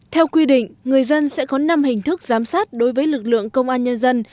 theo quy định người dân sẽ có năm hình thức giám sát đối với lực lượng công an nhân dân